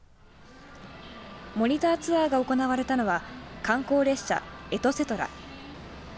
モニターツアーが行われたのは観光列車ｅｔＳＥＴＯｒａ。